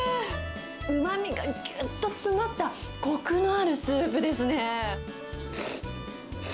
うまみがぎゅっと詰まった、こくのあるスープですね。